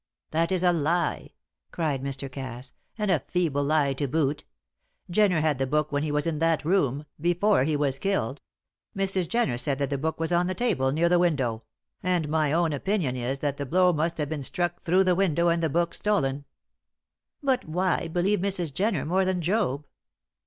"That is a lie!" cried Mr. Cass; "and a feeble lie to boot. Jenner had the book when he was in that room before he was killed Mrs. Jenner said that the book was on the table near the window; and my own opinion is that the blow must have been struck through the window and the book stolen." "But why believe Mrs. Jenner more than Job?"